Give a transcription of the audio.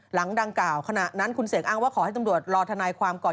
หลังดังกล่าวขณะนั้นคุณเสกอ้างว่าขอให้ตำรวจรอทนายความก่อน